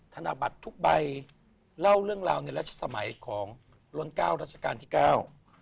ธนบัตรทุกใบเล่าเรื่องราวในรัชสมัยของล้นเก้ารัชกาลที่เก้า